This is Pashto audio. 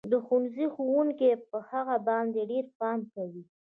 د ښوونځي ښوونکي به په هغه باندې ډېر پام کوي